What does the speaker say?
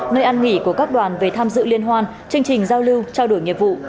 nơi ăn nghỉ của các đoàn về tham dự liên hoan chương trình giao lưu trao đổi nghiệp vụ